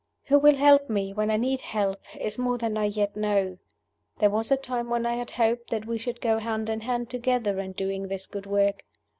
"Who will help me, when I need help, is more than I yet know. There was a time when I had hoped that we should go hand in hand together in doing this good work.